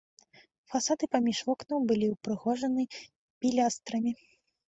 Фасады паміж вокнаў былі ўпрыгожаны пілястрамі.